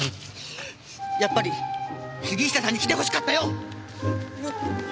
やっぱり杉下さんに来て欲しかったよ！